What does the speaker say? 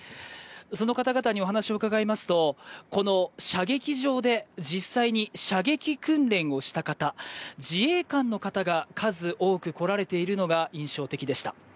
その方々にお話を伺いますとこの射撃場で実際に射撃訓練をした方、自衛官の方が数多く来られているのが印象的でした。